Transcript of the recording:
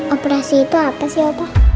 operasi itu apa sih apa